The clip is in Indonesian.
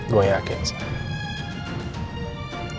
gue yakin zainal